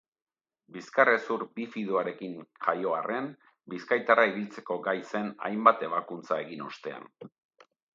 Bizkarrezur bifidoarekin jaio arren, bizkaitarra ibiltzeko gai zen hainbat ebakuntza egin ostean.